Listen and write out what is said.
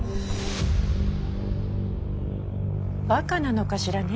バカなのかしらね